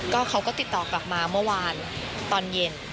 เขาก็ติดต่อกลับมาเมื่อวานตอนเย็น